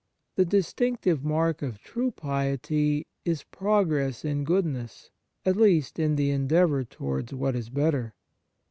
The distinctive mark of true piety is progress in goodness — at least, in the endeavour towards what is better.